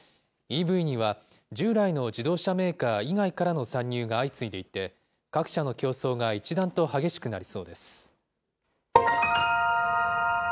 ＥＶには従来の自動車メーカー以外からの参入が相次いでいて、各社の競争が一段と激しくなりそうです。